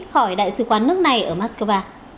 khỏi đại sứ quán nước này ở moscow